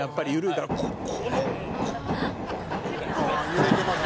揺れてます。